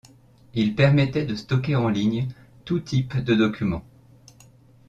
Il permettait de stocker en ligne tout type de documents.